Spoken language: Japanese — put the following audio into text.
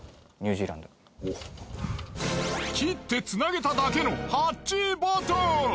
切ってつなげただけのハッチーボトル。